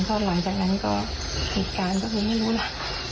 พอหล่อยจากนั้นก็ผิดการก็คือไม่รู้ล่ะ